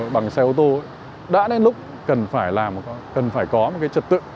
bằng xe ô tô đã đến lúc cần phải làm cần phải có một cái trật tự